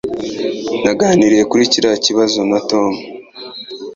Naganiriye kuri kiriya kibazo na Tom